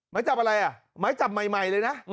หมายจับอะไรอ่ะหมายจับใหม่เลยนะ